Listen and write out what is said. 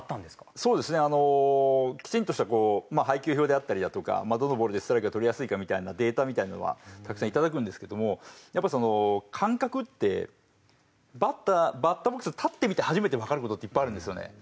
そうですねあのきちんとした配球表であったりだとかどのボールでストライクが取りやすいかみたいなデータみたいなのはたくさんいただくんですけどもやっぱその感覚ってバッターボックスに立ってみて初めてわかる事っていっぱいあるんですよね。